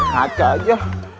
gak ada aja